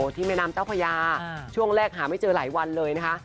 ที่แม่น้ำเจ้าพญาช่วงแรกหาไม่เจอหลายวันเลยนะคะ